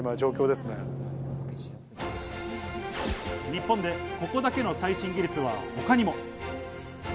日本でここだけの最新技術は他にも。